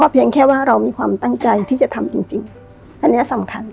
เพียงแค่ว่าเรามีความตั้งใจที่จะทำจริงจริงอันนี้สำคัญ